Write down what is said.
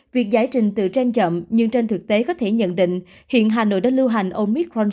việc giải trình tự gen chậm nhưng trên thực tế có thể nhận định hiện hà nội đã lưu hành omicron